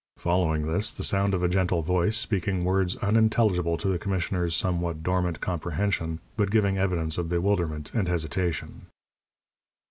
Following this, the sound of a gentle voice speaking words unintelligible to the commissioner's somewhat dormant comprehension, but giving evidence of bewilderment and hesitation.